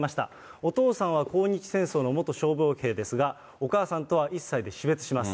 お父さんは抗日戦争の元傷病兵ですが、お母さんとは１歳で死別します。